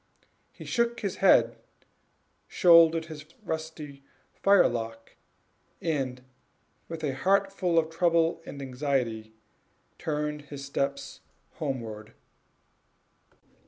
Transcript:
He shook his head, shouldered the rusty firelock, and, with a heart full of trouble and anxiety, turned his steps homeward.